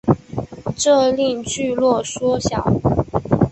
这令聚落缩小。